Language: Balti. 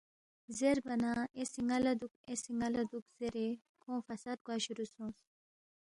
زیربا نہ اے سی ن٘ا لہ دُوک اے سی ن٘ا لہ دُوک زیرے کھونگ فساد گوا شرُوع سونگس